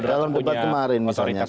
kalau moderator punya otoritas seperti itu